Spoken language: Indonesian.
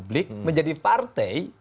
golkar kan harus tumbuh di mata publik